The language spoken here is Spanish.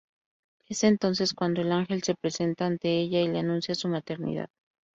Es entonces cuando el ángel se presenta ante ella y le anuncia su maternidad.